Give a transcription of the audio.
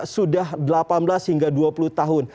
sudah delapan belas hingga dua puluh tahun